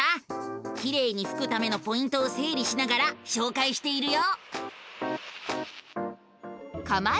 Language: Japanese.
きれいにふくためのポイントをせいりしながらしょうかいしているよ！